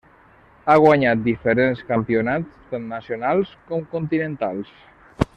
Ha guanyat diferents campionats tant nacionals com continentals.